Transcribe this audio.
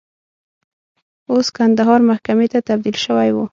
اوس کندهار محکمې ته تبدیل شوی و.